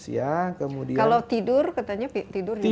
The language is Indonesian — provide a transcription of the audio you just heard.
kalau tidur katanya tidak penting